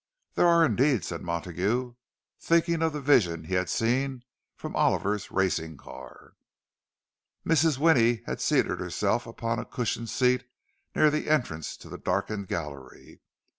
"There are, indeed," said Montague, thinking of the vision he had seen from Oliver's racing car. Mrs. Winnie had seated herself upon a cushioned seat near the entrance to the darkened gallery.